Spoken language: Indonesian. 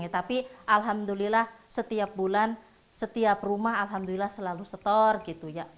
tapi alhamdulillah setiap bulan setiap rumah alhamdulillah selalu setor gitu ya